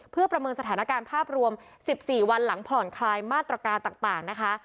เพื่อประเมินสถานการณ์ภาพรวม๑๔วันหลังผ่อนคลายมาตรการต่างนะคะ